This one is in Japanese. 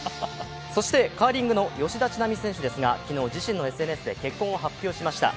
そしてカーリングの吉田知那美選手ですが昨日自身のＳＮＳで結婚を発表しました。